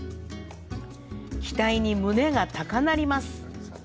期待に胸が高鳴ります。